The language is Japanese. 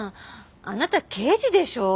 あなた刑事でしょ？